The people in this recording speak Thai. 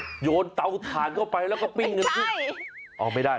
ก็โยนเตาทานเข้าไปแล้วก็ปลิงเหมือนกันสิอ๋อไม่ได้หรอกไม่ได้